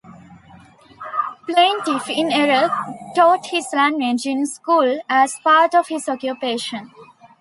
Plaintiff in error taught this language in school as part of his occupation.